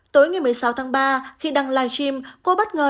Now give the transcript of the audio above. tối ngày một mươi sáu tháng ba khi đăng live stream cô bất ngờ